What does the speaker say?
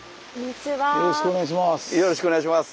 よろしくお願いします。